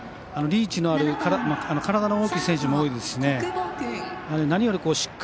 リーチのある体の大きい選手も多いですし。